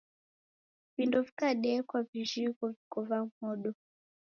Vindo vikadekwa vijhigho viko va modo.